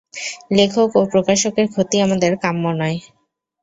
লেখক ও প্রকাশকের ক্ষতি আমাদের কাম্য নয়।